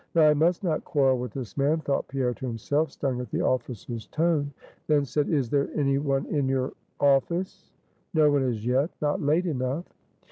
Now, I must not quarrel with this man, thought Pierre to himself, stung at the officer's tone. Then said: "Is there any one in your office?" "No one as yet not late enough."